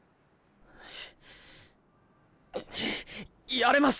やれます！